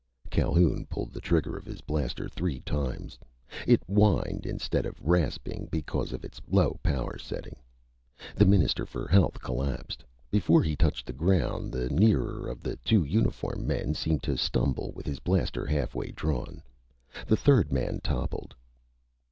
Calhoun pulled the trigger of his blaster three times. It whined instead of rasping, because of its low power setting. The Minister for Health collapsed. Before he touched ground the nearer of the two uniformed men seemed to stumble with his blaster halfway drawn. The third man toppled.